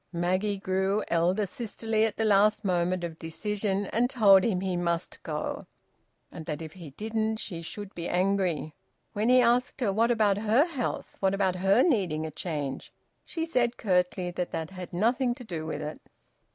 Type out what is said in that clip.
Maggie grew elder sisterly at the last moment of decision, and told him he must go, and that if he didn't she should be angry. When he asked her `What about her health? What about her needing a change?' she said curtly that that had nothing to do with it.